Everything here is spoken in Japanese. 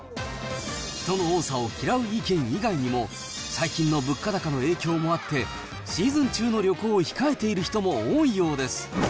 人の多さを嫌う意見も以外にも、最近の物価高の影響もあって、シーズン中の旅行を控えている人も多いようです。